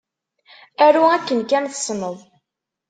Aru akken kan tessneḍ.